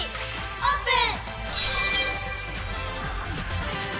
オープン！